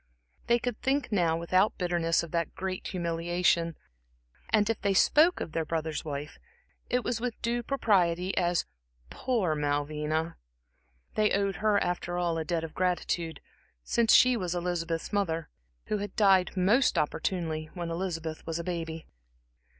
They could think now without bitterness of that great humiliation, and if they spoke of their brother's wife, it was with due propriety as "poor Malvina." They owed her after all, a debt of gratitude, since she was Elizabeth's mother, who had died most opportunely when Elizabeth was a baby.